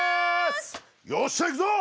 よっしゃ行くぞ！